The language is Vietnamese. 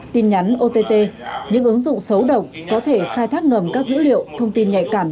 tin nhắn ott những ứng dụng xấu độc có thể khai thác ngầm các dữ liệu thông tin nhạy cảm